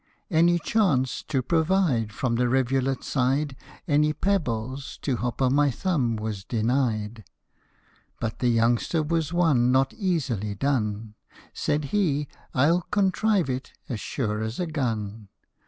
Any chance, to provide From the rivulet's side Any pebbles, to Hop o' my Thumb was denied ; But the youngster was one Not easily done Said he, " I '11 contrive it, as sure as a gun